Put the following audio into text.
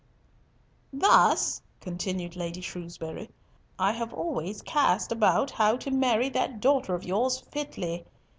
"Thus," continued Lady Shrewsbury, "I have always cast about how to marry that daughter of yours fitly.